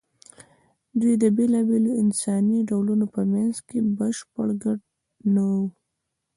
دوی د بېلابېلو انساني ډولونو په منځ کې بشپړ ګډ نه وو.